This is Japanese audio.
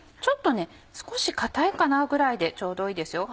少し硬いかなぐらいでちょうどいいですよ。